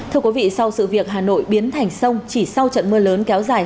thưa quý vị sau sự việc hà nội biến thành sông chỉ sau trận mưa lớn kéo dài